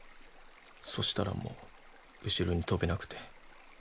そしたらもう後ろに跳べなくて。